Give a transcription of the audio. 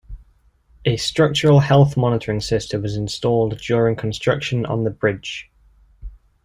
A structural health monitoring system was installed during construction on the bridge.